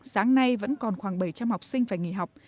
sáng nay vẫn còn khoảng bảy trăm linh học sinh phải nghỉ học